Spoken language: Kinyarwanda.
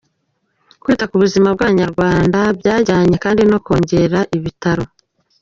Kwita ku buzima bw’Abanyarwanda byajyanye kandi no kongera ibitaro.